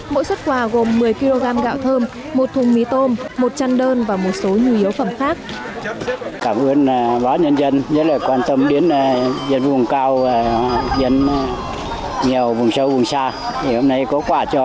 mỗi xuất quà gồm một mươi kg gạo thơm một thùng mì tôm một chăn đơn và một số nhu yếu phẩm khác